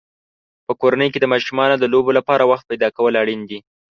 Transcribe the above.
په کورنۍ کې د ماشومانو د لوبو لپاره وخت پیدا کول اړین دي.